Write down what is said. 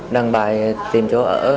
đang bài tìm chỗ ở